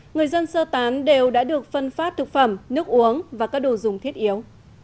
người dân sơ tán đều đã được phân phát thực phẩm nước uống và các đồ dùng thiết yếu